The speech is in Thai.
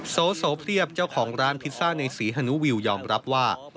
โสเพลียบเจ้าของร้านพิซซ่าในศรีฮานุวิวยอมรับว่า